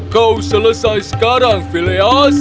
kau selesai sekarang phileas